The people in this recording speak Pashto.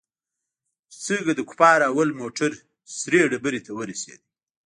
چې څنگه د کفارو اول موټر سرې ډبرې ته ورسېد.